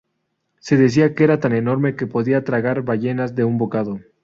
Se decía que era tan enorme que podía tragar ballenas de un bocado.